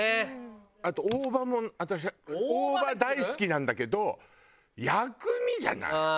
あと大葉も私大葉大好きなんだけど薬味じゃない？